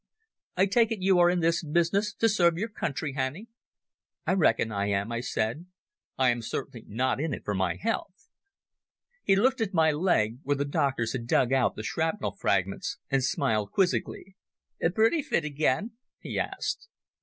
I take it you are in this business to serve your country, Hannay?" "I reckon I am," I said. "I am certainly not in it for my health." He looked at my leg, where the doctors had dug out the shrapnel fragments, and smiled quizzically. "Pretty fit again?" he asked.